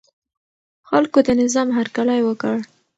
خلکو د نظام هرکلی وکړ.